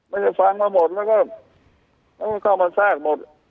ไม่คือฟังเขาหมดแล้วก็เข้ามาแซ่กหมด